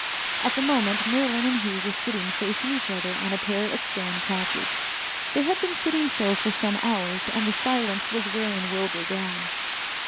At the moment Merlin and he were sitting facing each other on a pair of stone couches. They had been sitting so for some hours and the silence was wearing Wilbur down.